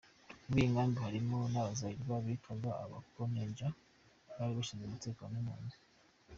Muri iyo nkambi harimo n’abazayirwa bitwaga Abakontenja, bari bashinzwe umutekano w’impunzi.